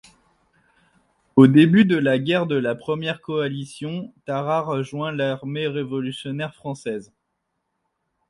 Au début de la guerre de la Première Coalition, Tarrare joint l'Armée révolutionnaire française.